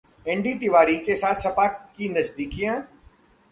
ND Tiwari के साथ सपा की नजदीकियां?